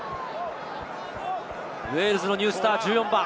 ウェールズのニュースター。